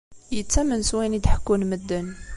Yettamen s wayen i d-ḥekkun medden.